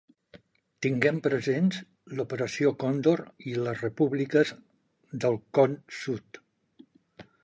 Tinguem presents l'operació Còndor i les repúbliques del Con Sud.